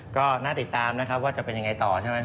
ก็น่าติดตามนะครับว่าจะเป็นยังไงต่อใช่ไหม